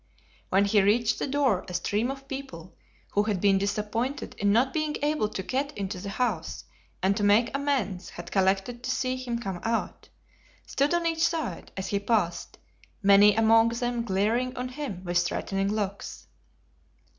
When he reached the door a stream of people, who had been disappointed in not being able to get into the house and to make amends had collected to see him come out, stood on each side, as he passed, many among them glaring on him with threatening looks.